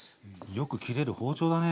よく切れる包丁だね。